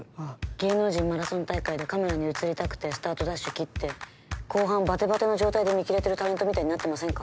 芸能人マラソン大会でカメラに映りたくてスタートダッシュ切って後半バテバテの状態で見切れてるタレントみたいになってませんか？